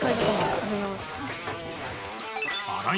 ありがとうございます。